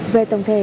về tổng thể